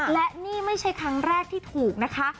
และนี่ไม่ใช่ครั้งแรกที่ถูกนะคะ